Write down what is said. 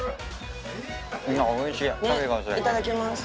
いただきます。